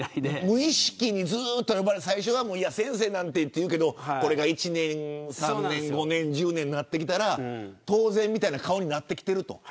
無意識に、ずっと呼ばれて最初は先生なんてと言うけれど１年、３年、５年、１０年となってきたら当然みたいな顔になってきていると。